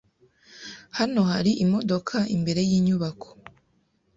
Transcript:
Hano hari imodoka imbere yinyubako.